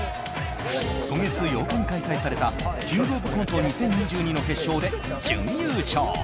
今月８日に開催された「キングオブコント２０２２」の決勝で準優勝。